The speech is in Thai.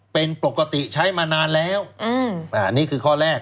เป็นปกติใช้มานานแล้วอันนี้คือข้อแรก